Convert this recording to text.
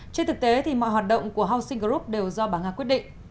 trên thực tế thì mọi hoạt động của housing group đều do bà nga quyết định